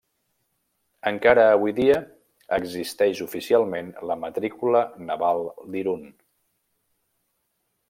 Encara avui dia existeix oficialment la matrícula naval d'Irun.